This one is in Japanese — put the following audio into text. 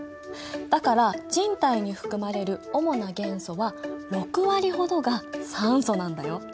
だから人体に含まれる主な元素は６割ほどが酸素なんだよ。